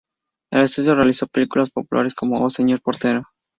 El estudio realizó películas populares como Oh, Señor Portero!